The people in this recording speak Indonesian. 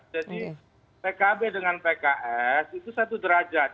jadi pkb dengan pks itu satu derajat